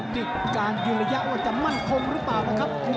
ดูดิการอยู่ระยะว่าจะมั่นคมหรือเปล่าครับครับ